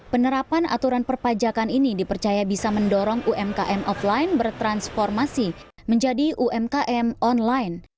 penerapan aturan perpajakan ini dipercaya bisa mendorong umkm offline bertransformasi menjadi umkm online